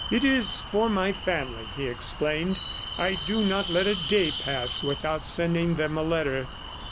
"It is for my family," he explained. "I do not let a day pass without sending them a letter.